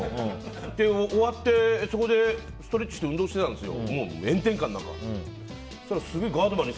終わってそこでストレッチして運動してたんですよ。